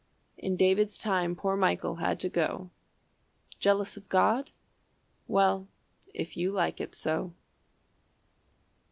"In David's time poor Michal had to go. Jealous of God? Well, if you like it so."